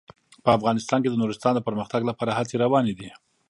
په افغانستان کې د نورستان د پرمختګ لپاره هڅې روانې دي.